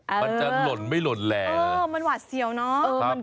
อื้ออออมันหวัดเสี่ยวเนอะครับมันจะหล่นไม่หล่นแหละ